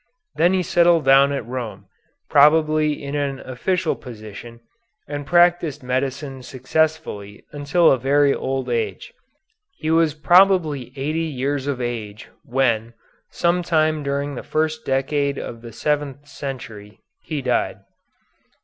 Then he settled down at Rome, probably in an official position, and practised medicine successfully until a very old age. He was probably eighty years of age when, some time during the first decade of the seventh century, he died.